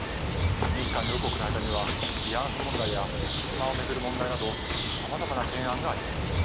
日韓両国の間には慰安婦問題や竹島を巡る問題などさまざまな懸案があります。